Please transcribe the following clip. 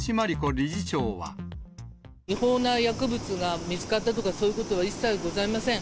理違法な薬物が見つかったとか、そういうことは一切ございません。